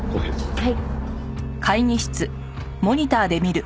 はい。